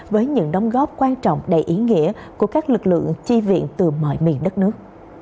với những đóng góp quan trọng đầy ý nghĩa của các lực lượng chi viện từ mọi miền đất nước